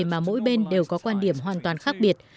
mà mỗi bên đều có quan điểm hoàn toàn khác biệt